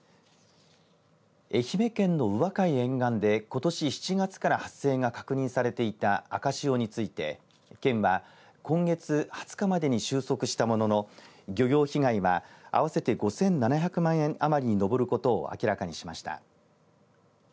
愛媛県の宇和海沿岸でことし７月から発生が確認されていた赤潮について県は今月２０日までに終息したものの漁業被害は合わせて５７００万円余りに上ることを明らかにしました。